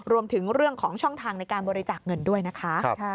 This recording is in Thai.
รวมถึงเรื่องของช่องทางในการบริจาคเงินด้วยนะคะ